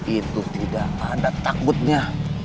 itu tidak ada takutnya